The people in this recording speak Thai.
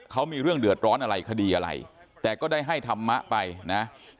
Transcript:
เขามีเรื่องเดือดร้อนอะไรคดีอะไรแต่ก็ได้ให้ธรรมะไปนะ